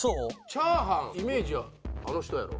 チャーハンイメージはあの人やろ。